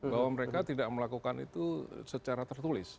bahwa mereka tidak melakukan itu secara tertulis